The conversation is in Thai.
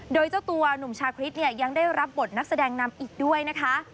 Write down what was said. โดยเจ้าตัวหนุ่มชาคริสเนี่ยยังได้รับบทนักแสดงนำอีกด้วยนะคะ